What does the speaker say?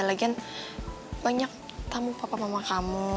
lagian banyak tamu papa mama kamu